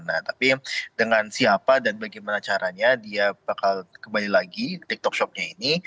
nah tapi dengan siapa dan bagaimana caranya dia bakal kembali lagi tiktok shopnya ini